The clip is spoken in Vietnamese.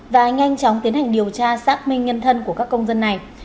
và nhanh chóng tiến hành điều tra xác minh nhân thân của các công dân này